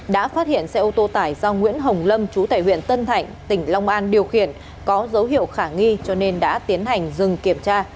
đã phát hiện xe ô tô tải do nguyễn hồng lâm chú tải huyện tân thạnh tỉnh long an điều khiển có dấu hiệu khả nghi cho nên đã tiến hành dừng kiểm tra